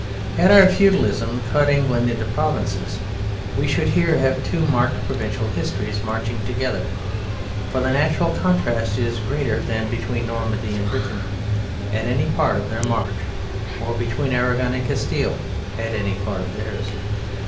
Had our feudalism cut England into provinces we should here have two marked provincial histories marching together, for the natural contrast is greater than between Normandy and Brittany at any part of their march or between Aragon and Castile at any part of theirs.